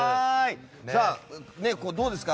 どうですか？